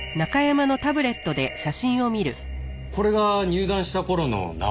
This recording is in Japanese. これが入団した頃の奈央。